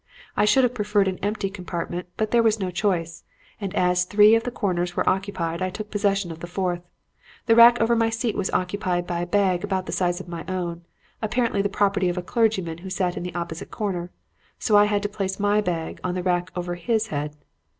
I should have preferred an empty compartment, but there was no choice; and as three of the corners were occupied, I took possession of the fourth. The rack over my seat was occupied by a bag about the size of my own, apparently the property of a clergyman who sat in the opposite corner, so I had to place my bag in the rack over his head.